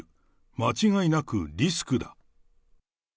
間違いなくリスクだ。